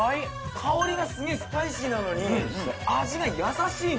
香りがすげぇスパイシーなのに味が優しいね。